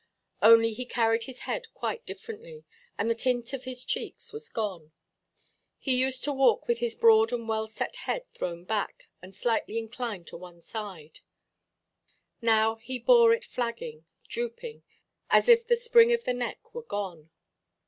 Only he carried his head quite differently, and the tint of his cheeks was gone. He used to walk with his broad and well–set head thrown back, and slightly inclined to one side; now he bore it flagging, drooping, as if the spring of the neck were gone.